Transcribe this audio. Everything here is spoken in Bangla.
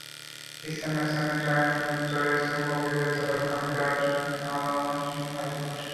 স্থানে স্থানে জয়স্তম্ভ, বিজয়তোরণ আর বিরাট নরনারী সিংহাদি ভাস্কর্যমূর্তি।